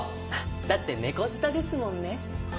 だって猫舌ですもんね。